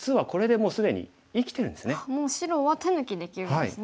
もう白は手抜きできるんですね。